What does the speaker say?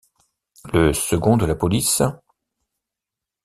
Le second de la police.